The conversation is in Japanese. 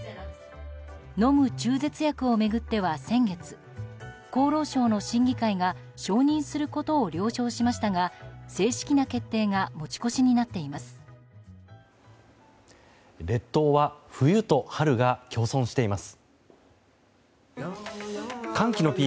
飲む中絶薬を巡っては先月厚労省の審議会が承認することを了承しましたが正式な決定が持ち越しになっています。